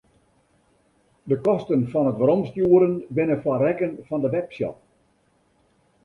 De kosten fan it weromstjoeren binne foar rekken fan de webshop.